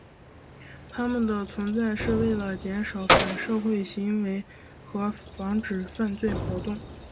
他们的存在是为了减少反社会行为和防止犯罪活动。